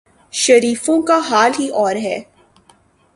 شریفوں کا حال ہی اور ہے۔